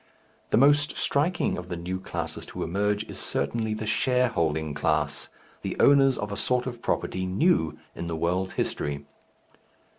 The most striking of the new classes to emerge is certainly the shareholding class, the owners of a sort of property new in the world's history.